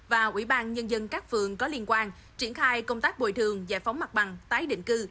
và quỹ ban nhân dân các phòng ban truyền khai công tác bồi thường giải phóng mặt bằng tái định cư